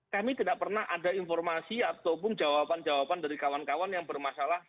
kami tidak pernah ada informasi ataupun jawaban jawaban dari kawan kawan yang bermasalah